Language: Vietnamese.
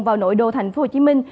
vào nội đô thành phố hồ chí minh